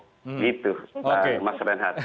gitu bang renhad